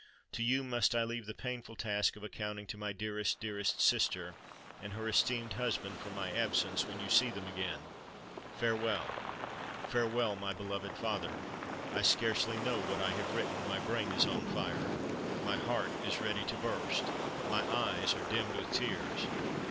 To you must I leave the painful task of accounting to my dearest, dearest sister and her esteemed husband for my absence when you see them again. Farewell—farewell, my beloved father! I scarcely know what I have written—my brain is on fire—my heart is ready to burst—my eyes are dimmed with tears."